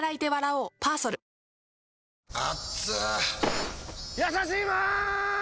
解禁‼やさしいマーン！！